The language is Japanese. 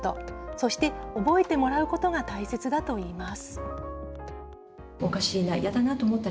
そして覚えてもらうことが大切だといいます。